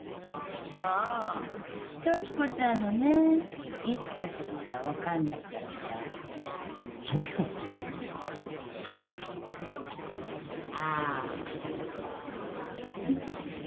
ああ時子ちゃんのねいつ帰ってくるか分かんないからさ時子っていうんですかあの鈴の人ああフフフフ